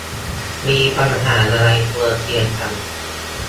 มีปัญหาอะไรควรเคลียร์กัน